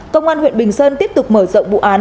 công an huyện bình sơn tiếp tục mở rộng vụ án